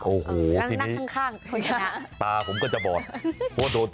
โอ้โหทีนี้นั่งข้าง